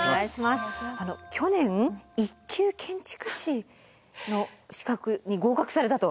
去年一級建築士の資格に合格されたと。